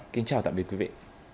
kính chào tạm biệt quý vị